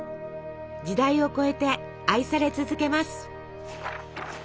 時代を超えて愛され続けます。